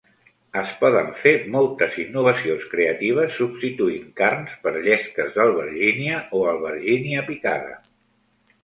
Es poden fer moltes innovacions creatives substituint carns per llesques d'albergínia o albergínia picada.